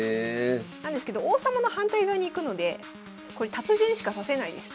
なんですけど王様の反対側に行くのでこれ達人しか指せないです。